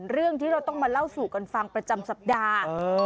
เรื่องที่เราต้องมาเล่าสู่กันฟังประจำสัปดาห์